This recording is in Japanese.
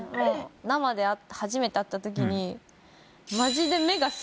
生で初めて会ったときに。